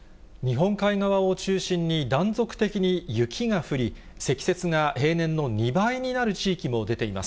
日本海側を中心に断続的に雪が降り、積雪が平年の２倍になる地域も出ています。